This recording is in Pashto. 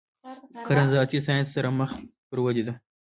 کرنه د زراعتي ساینس سره مخ پر ودې ده.